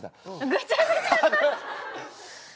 ぐちゃぐちゃ。